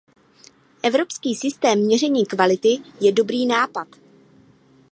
Evropský systém měření kvality je dobrý nápad.